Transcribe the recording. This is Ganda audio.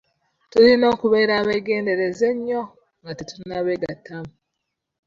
Tulina okuba abeegendereza ennyo nga tetunnabyegattamu